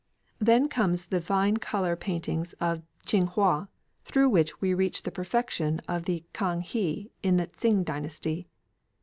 Then comes the fine colour paintings of Ching hwa, through which we reach the perfection of the Kang he in the Tsing dynasty.